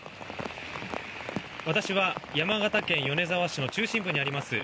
私は山形県米沢市の中心部にあります